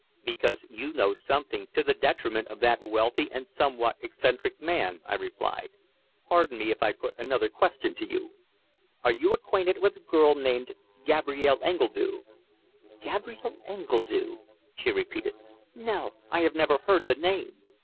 "Because you know something to the detriment of that wealthy and somewhat eccentric man," I replied. "Pardon me if I put another question to you. Are you acquainted with a girl named Gabrielle Engledue?" "Gabrielle Engledue?" she repeated. "No, I have never heard the name.